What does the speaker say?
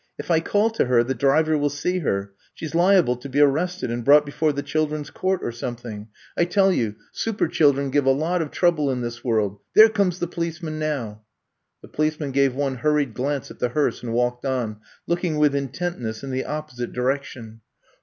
If I call to her the driver will see her. She 's liable to be arrested and brought be fore the Children's Court or something. I ^ I'VE COMB TO STAY 29 tell yon Super children give a lot of tronble in this world. There comes the policeman now. '* The policeman gave one hurried glance at the hearse and walked on, looking with intentness in the opposite direction.